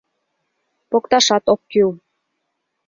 Покташат ок кӱл.